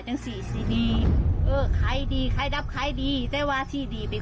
จะใช้จบให้ดีจบให้ดีกว่าทางที่ดี